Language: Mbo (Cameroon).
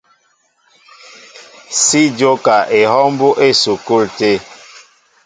Si jóka ehɔw mbóʼ á esukul.